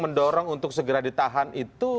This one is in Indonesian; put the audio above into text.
mendorong untuk segera ditahan itu